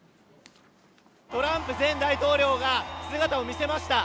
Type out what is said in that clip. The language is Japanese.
トランプ前大統領が姿を見せました。